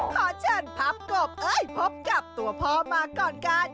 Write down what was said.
ขอเชิญพับกบเอ้ยพบกับตัวพ่อมาก่อนกัน